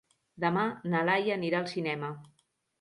Demà na Laia anirà al cinema.